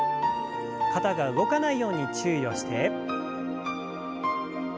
肩が動かないように注意をして。